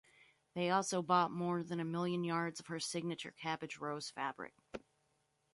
They also bought more than a million yards of her signature cabbage rose fabric.